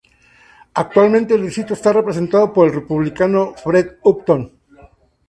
Actualmente el distrito está representado por el Republicano Fred Upton.